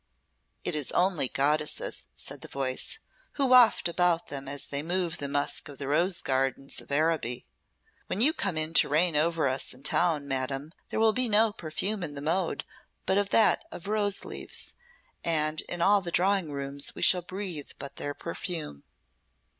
"It is only goddesses," said the voice, "who waft about them as they move the musk of the rose gardens of Araby. When you come to reign over us in town, Madam, there will be no perfume in the mode but that of rose leaves, and in all drawing rooms we shall breathe but their perfume."